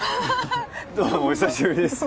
どうもお久しぶりです